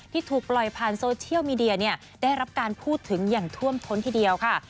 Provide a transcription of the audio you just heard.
ที่ถูกปล่อยผ่านโซเชียลมีเดียเนี่ยได้รับการพูดถึงอย่างท่วมท้นทีเดียวค่ะ